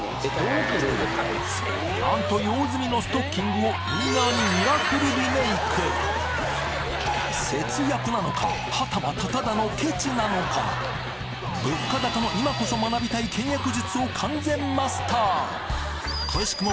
なんと用済みのストッキングをインナーにミラクルリメイク節約なのかはたまたただのケチなのか物価高の今こそ学びたい倹約術を完全マスター奇しくも